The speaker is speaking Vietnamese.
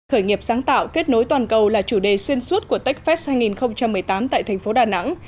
khởi nghiệp sáng tạo kết nối toàn cầu là chủ đề xuyên suốt của techfest hai nghìn một mươi tám tại thành phố đà nẵng